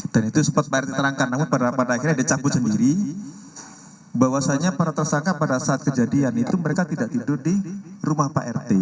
dan itu sempat prt terangkan namun pada akhirnya dicabut sendiri bahwasannya para tersangka pada saat kejadian itu mereka tidak tidur di rumah prt